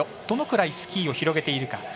どのくらいスキーを広げているか。